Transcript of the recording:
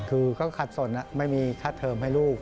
คือก็ขัดสนไม่มีค่าเทิมให้ลูก